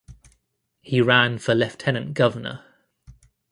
He ran for Lieutenant Governor.